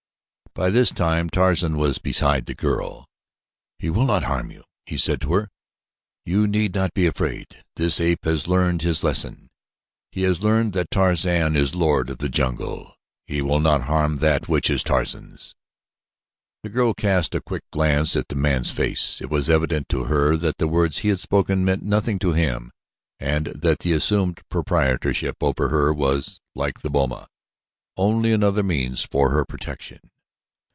By this time Tarzan was beside the girl. "He will not harm you," he said to her. "You need not be afraid. This ape has learned his lesson. He has learned that Tarzan is lord of the jungle. He will not harm that which is Tarzan's." The girl cast a quick glance at the man's face. It was evident to her that the words he had spoken meant nothing to him and that the assumed proprietorship over her was, like the boma, only another means for her protection.